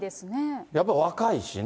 やっぱり若いしね。